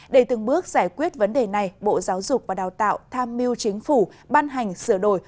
để từng bước giải quyết vấn đề này bộ giáo dục và đào tạo tham mưu chính phủ ban hành sửa đổi